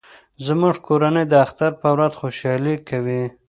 زموږ کورنۍ د اختر په ورځ خوشحالي کوي